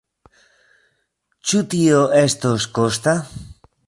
Ĉu tio estos kosta?